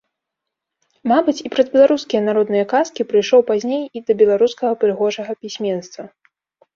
Мабыць, і праз беларускія народныя казкі прыйшоў пазней і да беларускага прыгожага пісьменства.